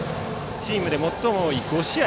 チームで最も多い５試合